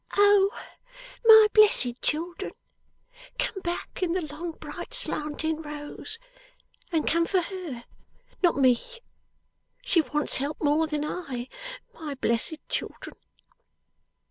O my blessed children, come back in the long bright slanting rows, and come for her, not me. She wants help more than I, my blessed children!